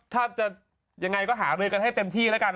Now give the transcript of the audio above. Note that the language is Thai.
ถ้าจะยังไงก็หารือกันให้เต็มที่แล้วกัน